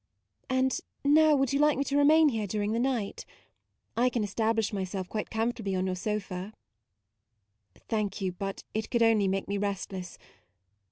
And now would you like me to remain here during the night ? I can es tablish myself quite comfortably on your sofa." "Thank you, but it could only make me restless.